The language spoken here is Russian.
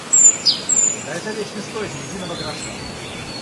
Да эта вещь не стоит ни единого гроша!